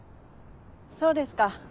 そうですか。